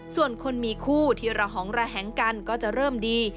ส่วนคนมีคู่ที่ระหองระแหงกันก็จะเริ่มดี